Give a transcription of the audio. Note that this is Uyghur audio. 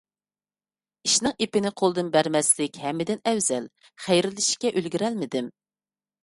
ئىشنىڭ ئېپىنى قولدىن بەرمەسلىك ھەممىدىن ئەۋزەل، خەيرلىشىشكە ئۈلگۈرەلمىدىم.